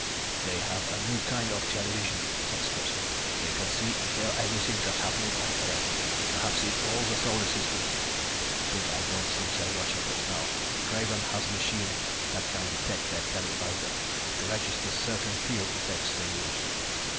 "They have a new kind of television," said Stutsman. "They can see and hear everything that's happening on Earth, perhaps in all the Solar System. But I don't think they're watching us now. Craven has a machine that can detect their televisor. It registers certain field effects they use.